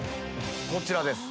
こちらです。